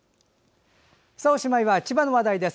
おしまいは千葉の話題です。